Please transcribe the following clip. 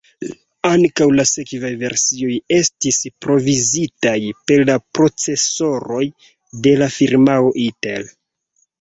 Ankaŭ la sekvaj versioj estis provizitaj per la procesoroj de la firmao Intel.